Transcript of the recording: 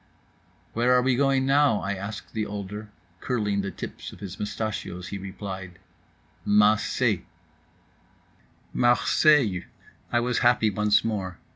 "Where are we going now?" I asked the older. Curling the tips of his mustachios, he replied, "Mah say." Marseilles! I was happy once more.